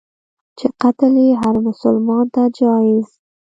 چي قتل یې هرمسلمان ته جایز.